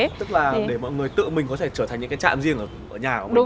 tức là để mọi người tự mình có thể trở thành những cái trạm riêng ở nhà